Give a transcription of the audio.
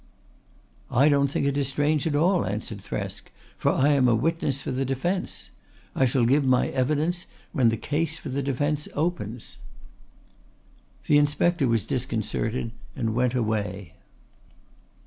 "I don't think it is strange at all," answered Thresk, "for I am a witness for the defence. I shall give my evidence when the case for the defence opens." The Inspector was disconcerted and went away.